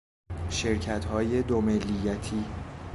شرکتهای دو ملیتی